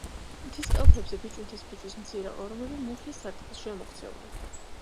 მთის კალთებზე ბიჭვინთის ფიჭვის მცირე კორომები მუხის სარტყელშია მოქცეული.